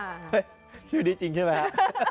เฮ่ยชื่อดีจริงใช่ไหม